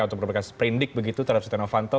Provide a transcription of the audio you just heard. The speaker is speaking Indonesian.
untuk menerbitkan sprinting begitu terhadap setia novanto